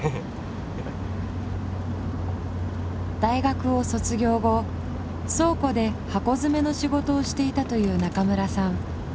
大学を卒業後倉庫で箱詰めの仕事をしていたという中村さん。